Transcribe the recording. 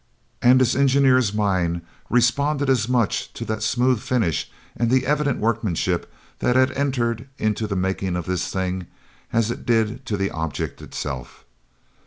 And his engineer's mind responded as much to that smooth finish and the evident workmanship that had entered into the making of this thing as it did to the object itself.